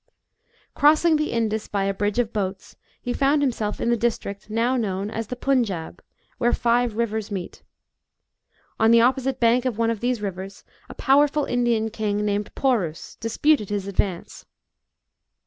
Crossing the Indus by a bridge of boats, he found himself in the district, now known as the Punjab, where five rivers meet. On the opposite bank of one of these rivers a powerful Indian king, named Porus, disputed his advance.